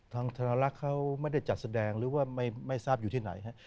ธนลักษณ์เขาไม่ได้จัดแสดงหรือว่าไม่ทราบอยู่ที่ไหนฮะ